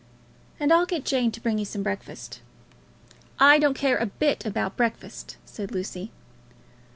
"And I'll get Jane to bring you some breakfast." "I don't care a bit about breakfast," said Lucy.